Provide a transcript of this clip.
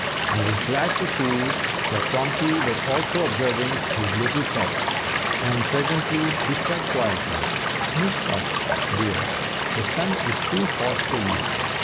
I was glad to see that Tomty was also observing his little pet; and presently he said quietly, "Miss Puff, dear, the sun is too hot for you.